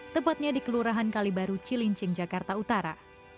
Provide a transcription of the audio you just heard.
tepatnya di kelurahan kalibaru cilincing jakarta utara